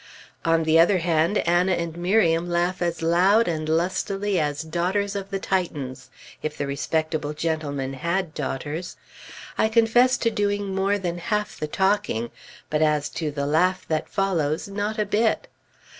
On the other hand, Anna and Miriam laugh as loud and lustily as daughters of the Titans if the respectable gentlemen had daughters. I confess to doing more than half the talking, but as to the laugh that follows, not a bit.